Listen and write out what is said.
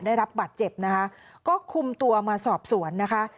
ได้รับบาดเจ็บนะคะก็คุมตัวมาสอบสวนนะคะ